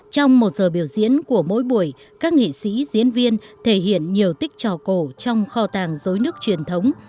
trong một giờ biểu diễn của mỗi buổi các nghệ sĩ diễn viên thể hiện nhiều tích trò cổ trong kho tàng dối nước truyền thống